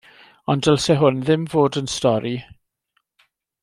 Ond dylse hwn ddim fod yn stori.